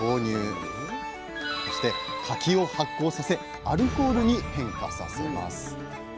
そして柿を発酵させアルコールに変化させます。